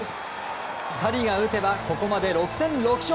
２人が打てばここまで６戦６勝。